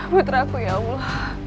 putraku ya allah